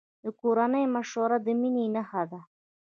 د کورنۍ مشوره د مینې نښه ده.